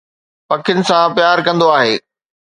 پکين سان پيار ڪندو آهي